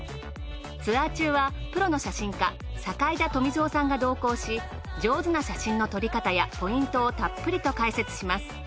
ツアー中はプロの写真家坂井田富三さんが同行し上手な写真の撮り方やポイントをたっぷりと解説します。